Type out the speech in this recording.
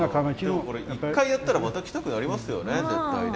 でもこれ１回やったらまた来たくなりますよね絶対ね。